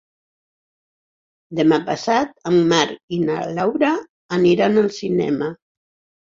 Demà passat en Marc i na Laura aniran al cinema.